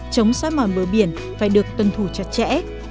chống xói mòn bờ biển phải được tuân thủ chặt chẽ